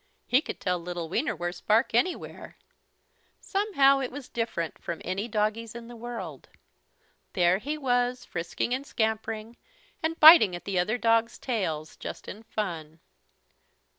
He could tell little Wienerwurst's bark anywhere. Somehow it was different from any doggie's in the world. There he was, frisking and scampering and biting at the other dogs' tails, just in fun.